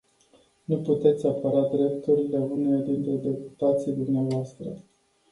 Nu puteți apăra drepturile unuia dintre deputații dvs.